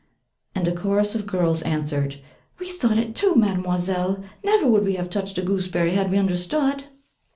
And a chorus of girls answered: 'We thought it too, Mademoiselle: never would we have touched a gooseberry had we understood.'